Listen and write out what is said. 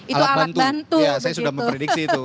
itu alat bantu saya sudah memprediksi itu